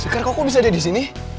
sektor kok kok bisa ada disini